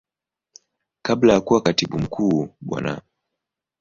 Kabla ya kuwa Katibu Mkuu Bwana.